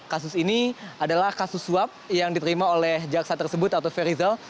kasus ini adalah kasus suap yang diterima oleh jaksa tersebut atau ferry zal